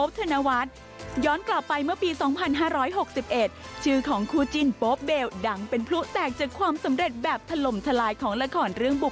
ทุกผู้ชมจะเป็นใครบ้างนะคะ